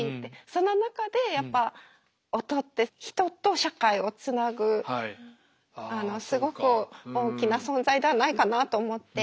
その中でやっぱ音って人と社会をつなぐすごく大きな存在ではないかなと思って。